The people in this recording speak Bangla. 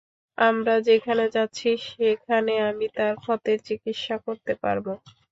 আমরা যেখানে যাচ্ছি সেখানে আমি তার ক্ষতের চিকিৎসা করতে পারবো।